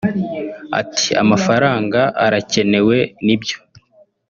Ati” Amafaranga arakenewe ni byo